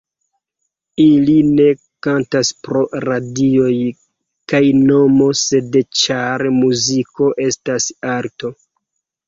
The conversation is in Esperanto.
Ili ne kantas pro radioj kaj nomo sed ĉar muziko estas arto.